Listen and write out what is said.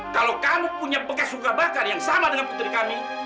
kalau kamu punya bekas luka bakar yang sama dengan putri kami